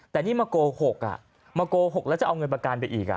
แต่นี่มาโกหกมาโกหกแล้วจะเอาเงินประกันไปอีก